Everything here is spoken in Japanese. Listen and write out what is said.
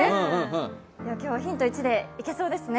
今日はヒント１でいけそうですね。